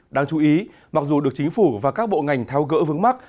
đáng chú ý mặc dù được chính phủ và các bộ ngành theo gỡ vững mắt